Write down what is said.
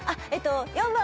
４番。